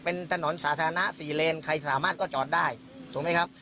เป็นถนนสาธารณะ๔เลนใครสามารถก็จอดได้ถูกไหมครับ